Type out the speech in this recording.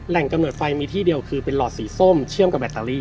กำเนิดไฟมีที่เดียวคือเป็นหลอดสีส้มเชื่อมกับแบตเตอรี่